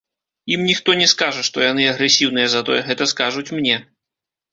Ім ніхто не скажа, што яны агрэсіўныя, затое гэта скажуць мне.